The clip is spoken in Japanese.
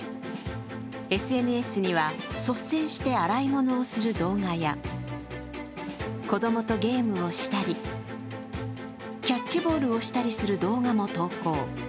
ＳＮＳには、率先して洗い物をする動画や子供とゲームをしたりキャッチボールをしたりする動画も投稿。